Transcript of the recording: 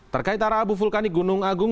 terkait arah abu vulkanik gunung agung